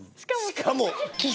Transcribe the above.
しかも。